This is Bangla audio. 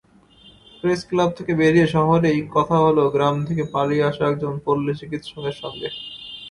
প্রেসক্লাব থেকে বেরিয়ে শহরেই কথা হলো গ্রাম থেকে পালিয়ে আসা একজন পল্লিচিকিৎসকের সঙ্গে।